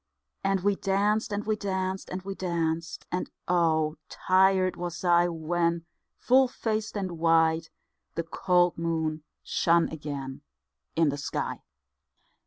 And we danced, and we danced, and we danced, And oh! tired was I When, full faced and white, the cold moon Shone again in the sky.